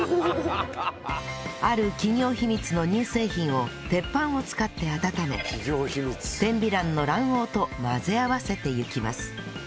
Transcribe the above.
ある企業秘密の乳製品を鉄板を使って温め天美卵の卵黄と混ぜ合わせていきます